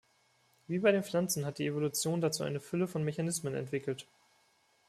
Wie bei den Pflanzen hat die Evolution dazu eine Fülle von Mechanismen entwickelt.